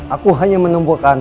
aku hanya menemukan